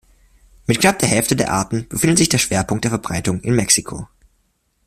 Mit knapp der Hälfte der Arten befindet sich der Schwerpunkt der Verbreitung in Mexiko.